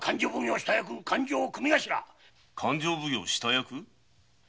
「勘定奉行下役」？